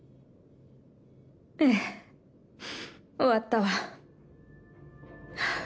ええ終わったわ。